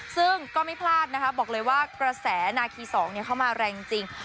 ซึ่งก็ไม่พลาดนะคะบอกเลยว่ากระแสนาคี๒เข้ามาแรงจริง